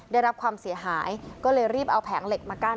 ได้รับความเสียหายก็เลยรีบเอาแผงเหล็กมากั้น